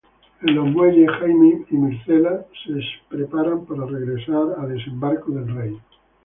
En los muelles, Jaime y Myrcella se preparan para regresar a Desembarco del Rey.